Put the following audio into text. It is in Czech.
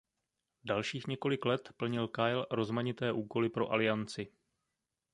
Dalších několik let plnil Kyle rozmanité úkoly pro Alianci.